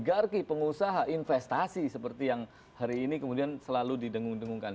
garki pengusaha investasi seperti yang hari ini kemudian selalu didengung dengungkan